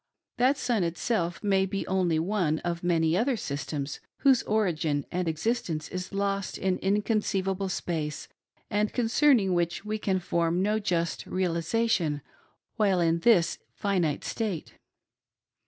That Sun itself may be only one of many other systems whose origin and existence is lost in inconceivable space, and. concerning which we can form no just realisation while in this finite state.